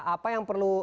apa yang perlu dilakukan